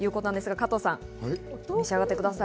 加藤さん、召し上がってください。